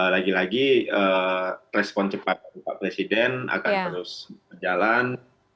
lagi lagi respon cepat dari pak presiden akan terus berjalan